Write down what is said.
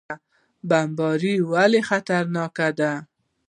بمبړې ولې خطرناکه ده؟